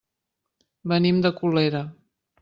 Venim de Colera.